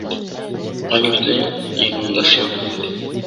Años de Inundación